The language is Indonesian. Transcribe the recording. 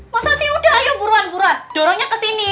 masa sih udah ayo buruan buruan dorongnya kesini